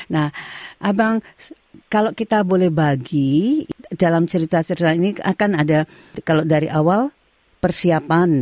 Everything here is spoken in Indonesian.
nah abang kalau kita boleh bagi dalam cerita cerita ini akan ada kalau dari awal persiapan